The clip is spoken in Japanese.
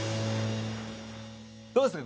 どうですか？